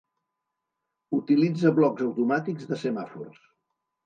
Utilitza blocs automàtics de semàfors.